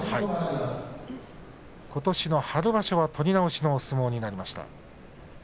ことしの春場所は取り直しの相撲になりました。